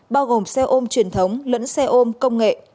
bao gồm xe ôm truyền thống lẫn xe ôm công nghệ